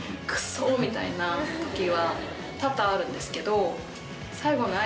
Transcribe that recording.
みたいな時は多々あるんですけど。